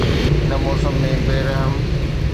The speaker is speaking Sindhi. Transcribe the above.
هن موسم ۾ بي رحم